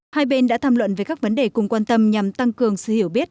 hai bên đã tham luận về các vấn đề cùng quan tâm nhằm tăng cường sự hiểu biết